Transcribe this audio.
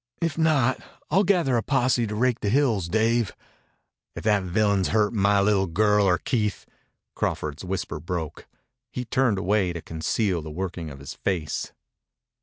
"If not, I'll gather a posse to rake the hills, Dave. If that villain's hurt my li'l' girl or Keith " Crawford's whisper broke. He turned away to conceal the working of his face.